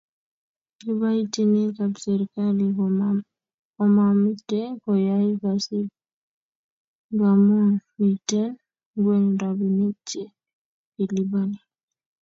Kibaitinik ab serkali komamche koyai kasit ngamun miten ngwen rapinik che kelipani